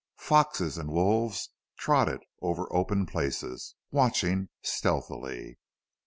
Foxes and wolves trotted over open places, watching stealthily.